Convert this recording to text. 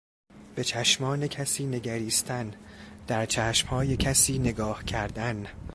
به چشمان کسی نگریستن، در چشمهای کسی نگاه کردن